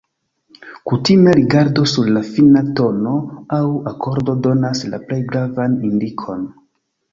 Kutime rigardo sur la fina tono aŭ akordo donas la plej gravan indikon.